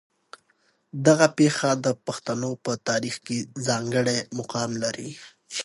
دغه پېښه د پښتنو په تاریخ کې ځانګړی مقام لري.